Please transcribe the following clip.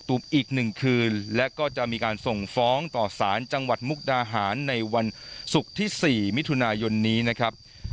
อีก๑คืนและก็จะมีการส่งฟ้องต่อสารจังหวัดมุกดาหารในวันศุกร์ที่๔มิถุนายนนี้นะครับ